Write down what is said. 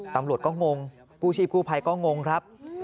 ตำรวจก็งงกู้ชีพกู้ภัยก็งงครับ